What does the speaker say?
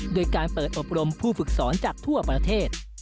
โดยการเปิดอบรมผู้ฝึกสอนจากทั่วประเทศ